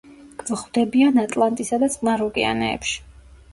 გვხვდებიან ატლანტისა და წყნარ ოკეანეებში.